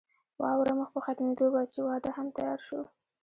واوره مخ په ختمېدو وه چې واده هم تيار شو.